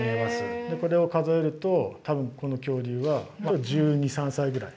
これを数えると多分この恐竜は１２１３歳ぐらい。